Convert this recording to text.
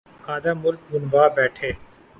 آدھا ملک گنوا بیٹھے۔